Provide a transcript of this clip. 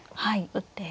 打って。